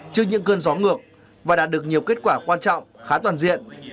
trước những cơn gió ngược và đạt được nhiều kết quả quan trọng khá toàn diện